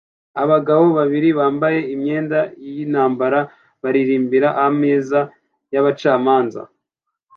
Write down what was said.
Abagabo babiri bambaye imyenda yintambara baririmbira ameza yabacamanza